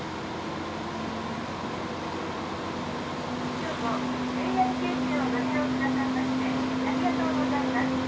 今日もＪＲ九州をご利用下さいましてありがとうございます。